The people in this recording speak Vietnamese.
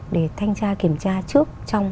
để thanh tra kiểm tra trước trong